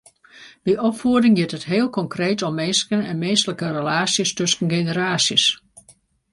By opfieding giet it heel konkreet om minsken en minsklike relaasjes tusken generaasjes.